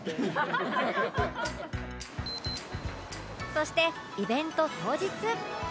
そしてイベント当日